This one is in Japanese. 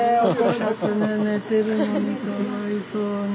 寝てるのにかわいそうに。